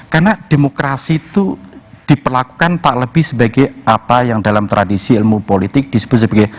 karena demokrasi itu diperlakukan tak lebih sebagai apa yang dalam tradisi ilmu politik disebut sebagai